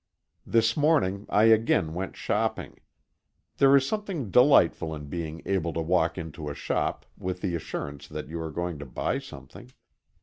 This morning I again went shopping. There is something delightful in being able to walk into a shop with the assurance that you are going to buy something.